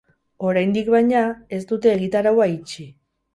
Oraindik, baina, ez dute egitaraua itxi.